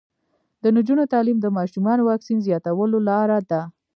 د نجونو تعلیم د ماشومانو واکسین زیاتولو لاره ده.